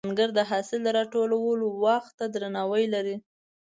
کروندګر د حاصل د راټولولو وخت ته درناوی لري